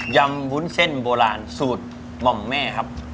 ำวุ้นเส้นโบราณสูตรหม่อมแม่ครับ